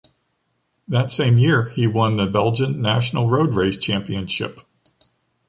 That same year he won the Belgian National Road Race Championship.